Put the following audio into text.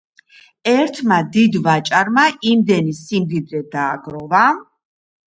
ერთმა დიდვაჭარმა იმდენი სიმდიდრე დააგროვა.